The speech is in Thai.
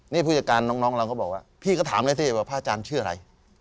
นี่ผู้จัดการน้องเราก็บอกว่าพี่ก็ถามแล้วสิว่าพระอาจารย์ชื่ออะไร